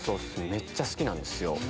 めっちゃ好きなんですよ。